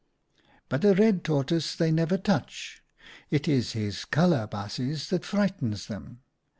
But a Red Tortoise they never touch. It is his colour, baasjes, that frightens them.